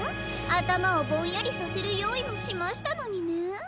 あたまをぼんやりさせるよういもしましたのにねえ。